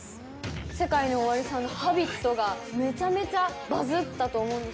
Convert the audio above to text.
ＳＥＫＡＩＮＯＯＷＡＲＩさんのＨａｂｉｔがめちゃめちゃバズったと思うんです